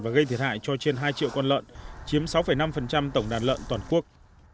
và gây thiệt hại cho trên hai triệu con lợn chiếm sáu năm tổng đàn lợn toàn quốc